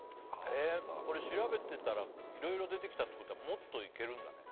これ調べてたらいろいろ出てきたってことはもっといけるんだね